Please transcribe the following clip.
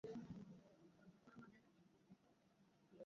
পথে গ্রামের শেষ প্রান্তে নদীর ঘাট থেকে তাদের আটক করে কয়েক যুবক।